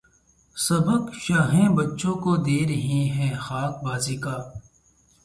سبق شاہیں بچوں کو دے رہے ہیں خاک بازی کا